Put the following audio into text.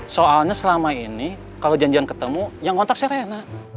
soalnya selama ini kalau janjian ketemu yang ngontak serena